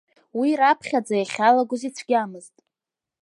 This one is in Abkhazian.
Уи раԥхьаӡа иахьалагоз ицәгьамызт…